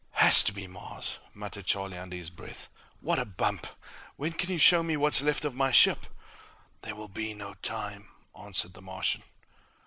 '" "Has to be Mars," muttered Charlie under his breath. "What a bump! When can you show me what's left of the ship?" "There will be no time," answered the Martian.